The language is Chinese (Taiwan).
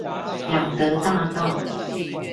仰德大道